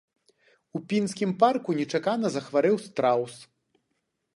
У пінскім парку нечакана захварэў страус.